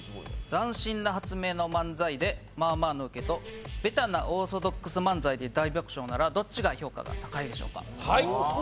斬新な発明の漫才でまあまあのウケとベタなオーソドックス漫才で大爆笑ならどっちが評価が高いでしょうか